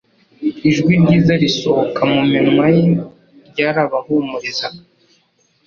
ijwi ryiza risohoka mu minwa ye ryarabahumurizaga.